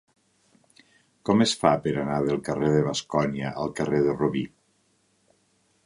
Com es fa per anar del carrer de Bascònia al carrer del Robí?